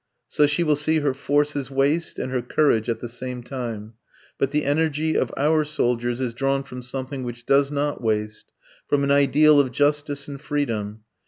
So she will see her forces waste and her courage at the same time. But the energy of our soldiers is drawn from something which does not waste, from an ideal of justice and freedom.